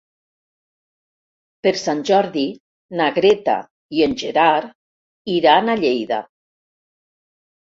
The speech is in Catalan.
Per Sant Jordi na Greta i en Gerard iran a Lleida.